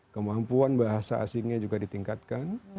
kemampuan bahasa asingnya juga ditingkatkan